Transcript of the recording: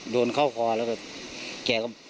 โดนเข้าคอแล้วแบบแกก็